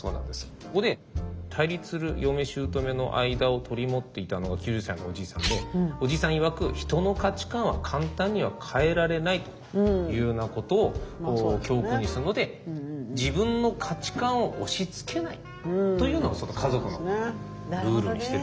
ここで対立する嫁しゅうとめの間を取り持っていたのが９０歳のおじいさんでおじいさんいわく「人の価値観は簡単には変えられない」というようなことを教訓にしたので自分の価値観を押しつけないというのを家族のルールにしているという。